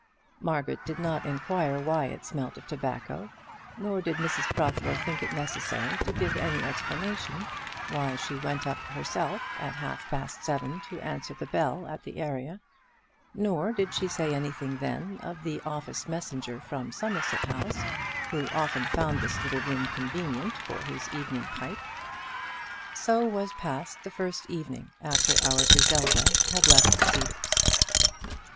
Margaret did not inquire why it smelt of tobacco, nor did Mrs Protheroe think it necessary to give any explanation why she went up herself at half past seven to answer the bell at the area; nor did she say anything then of the office messenger from Somerset House, who often found this little room convenient for his evening pipe. So was passed the first evening after our Griselda had left the Cedars.